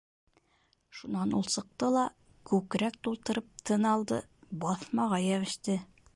Шунан ул сыҡты ла күкрәк тултырып тын алды, баҫмаға йәбеште.